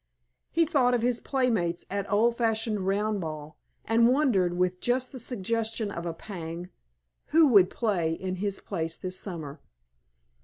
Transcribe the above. He thought of his playmates at old fashioned "round ball," and wondered, with just the suggestion of a pang, who would play in his place this summer.